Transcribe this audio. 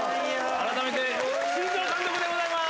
改めて、新庄監督でございます。